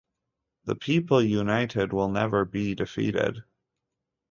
The People United Will Never Be Defeated!